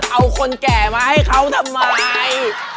เอาคนแก่มาให้เขาทำไม